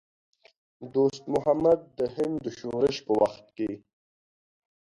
دوست محمد د هند د شورش په وخت کې.